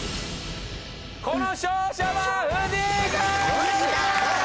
この勝者は藤井君！